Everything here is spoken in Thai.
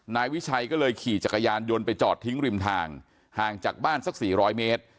นายวิชัยก็เลยขี่จักรยานยนต์ไปจอดทิ้งริมทางห่างจากบ้านสัก๔๐๐เมตร